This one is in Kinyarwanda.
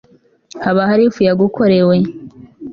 hoba hari ifu yagukorewe